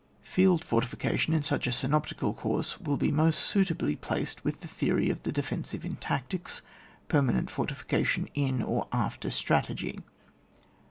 Field fortification in such a synoptical course will be most suitably placed with the theory of the defensiye in tactics, permanent fortification in or after stra tegy.